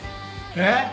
えっ？